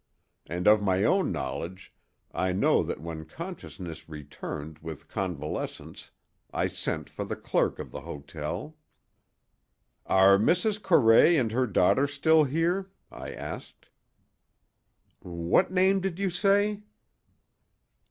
And of my own knowledge I know that when consciousness returned with convalescence I sent for the clerk of the hotel. "Are Mrs. Corray and her daughter still here?" I asked. "What name did you say?"